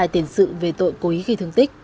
hai tiền sự về tội cố ý gây thương tích